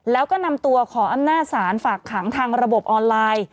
แล้วก็นำตัวขออำนาจศาลฝากขังทางระบบออนไลน์